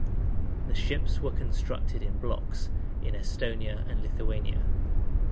The ships were constructed in blocks in Estonia and Lithuania.